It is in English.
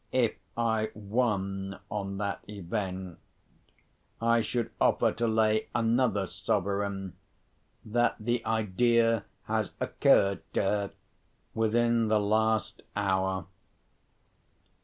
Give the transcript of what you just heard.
If I won on that event, I should offer to lay another sovereign, that the idea has occurred to her within the last hour."